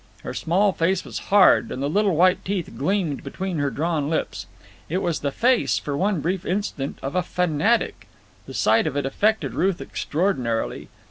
Her small face was hard, and the little white teeth gleamed between her drawn lips. It was the face, for one brief instant, of a fanatic. The sight of it affected Ruth extraordinarily.